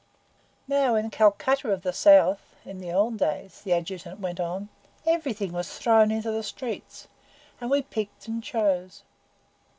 "Now, in Calcutta of the South, in the old days," the Adjutant went on, "everything was thrown into the streets, and we picked and chose.